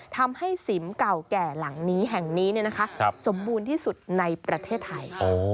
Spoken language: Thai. ทำให้สิมเก่าแก่หลังนี้แห่งนี้สมบูรณ์ที่สุดในประเทศไทย